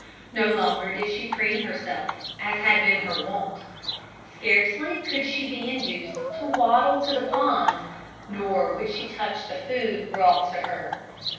No longer did she preen herself, as had been her wont. Scarcely could she be induced to waddle to the pond, nor would she touch the food brought to her.